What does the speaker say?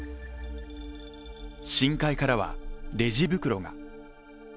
深海からはレジ袋が。